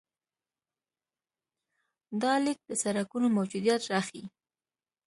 دا لیک د سړکونو موجودیت راښيي.